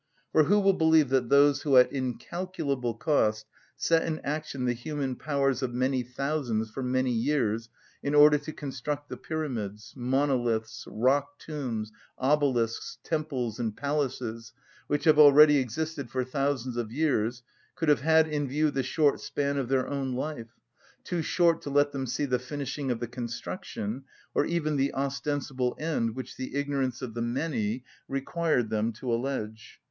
For who will believe that those who, at incalculable cost, set in action the human powers of many thousands for many years in order to construct the pyramids, monoliths, rock tombs, obelisks, temples, and palaces which have already existed for thousands of years, could have had in view the short span of their own life, too short to let them see the finishing of the construction, or even the ostensible end which the ignorance of the many required them to allege?